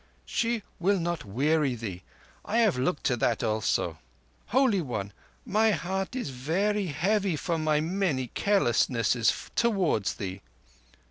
"She will not weary thee. I have looked to that also. Holy One, my heart is very heavy for my many carelessnesses towards thee."